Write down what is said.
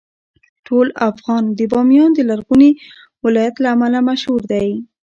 ټول افغانستان د بامیان د لرغوني ولایت له امله مشهور دی.